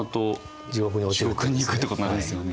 地獄にいくってことになるんですよね。